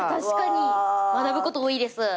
学ぶこと多いです。